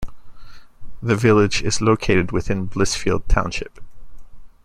The village is located within Blissfield Township.